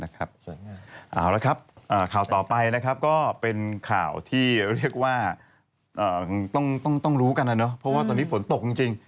เอาละครับข่าวต่อไปนะครับก็เป็นข่าวที่เรียกว่าต้องรู้กันนะเพราะว่าตอนนี้ฝนตกจริง